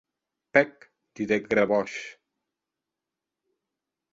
Pèc, didec Gavroche.